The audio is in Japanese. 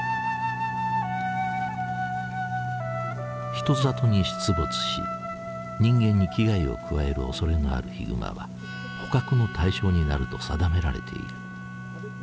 人里に出没し人間に危害を加えるおそれのあるヒグマは捕獲の対象になると定められている。